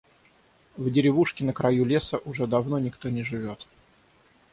В деревушке на краю леса уже давно никто не живёт.